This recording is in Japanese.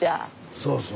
そうそう。